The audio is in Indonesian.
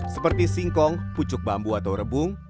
seperti singkong pucuk bambu atau rebung